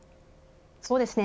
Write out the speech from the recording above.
そうですね。